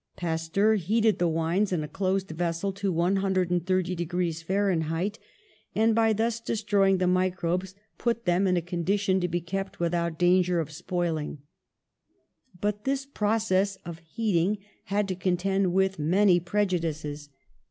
Pasteur heated the wines in a closed vessel to 130 degrees Fahrenheit, and by thus destroy ing the microbes put them in a condition to be kept without danger of spoiling. But this proc ess of heating had to contend with many preju dices.